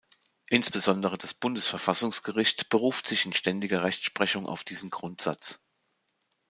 Insbesondere das Bundesverfassungsgericht beruft sich in ständiger Rechtsprechung auf diesen Grundsatz.